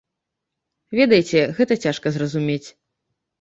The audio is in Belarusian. Ведаеце, гэта цяжка зразумець.